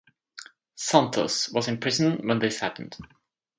Santos was in prison when this happened.